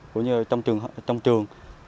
cũng như trong trường